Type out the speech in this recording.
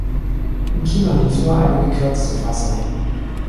Im Kino lief nur eine gekürzte Fassung.